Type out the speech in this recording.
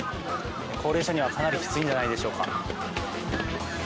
高齢者には、かなりきついんじゃないんでしょうか。